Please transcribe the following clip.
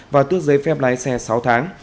và tước giấy phép lái xe sáu tháng